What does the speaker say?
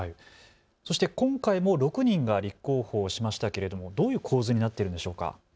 そして今回も６人が立候補しましたけれども、どういう構図になっているんでしょうか。